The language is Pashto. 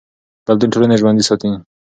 بدلون ټولنې ژوندي ساتي